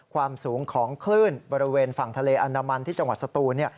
ความสูงของคลื่นบริเวณฝั่งทะเลอันดามันที่จังหวัดสตูน